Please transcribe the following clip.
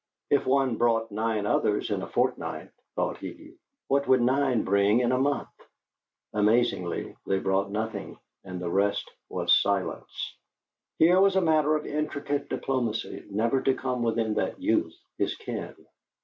If one brought nine others in a fortnight, thought he, what would nine bring in a month? Amazingly, they brought nothing, and the rest was silence. Here was a matter of intricate diplomacy never to come within that youth his ken.